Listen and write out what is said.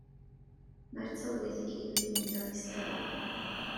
Mae'r tylwyth i gyd wedi mynd ar ddisberod.